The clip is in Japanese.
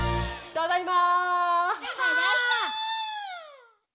ただいま！